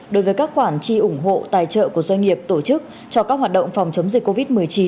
đối với các khoản chi ủng hộ tài trợ của doanh nghiệp tổ chức cho các hoạt động phòng chống dịch covid một mươi chín